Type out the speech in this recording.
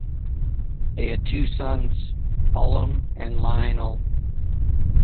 They had two sons, Hallam and Lionel.